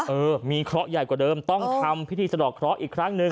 เออมีเคราะห์ใหญ่กว่าเดิมต้องทำพิธีสะดอกเคราะห์อีกครั้งหนึ่ง